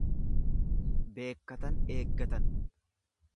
Beekkatan eeggatan.